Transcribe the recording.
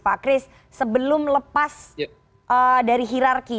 pak kris sebelum lepas dari hirarki